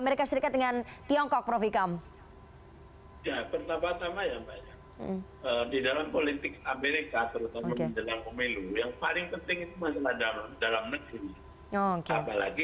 pertama tama ya mbak yang di dalam politik amerika terutama di dalam pemilu yang paling penting itu masalah dalam negeri